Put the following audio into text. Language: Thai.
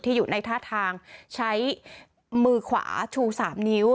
อยู่ในท่าทางใช้มือขวาชู๓นิ้ว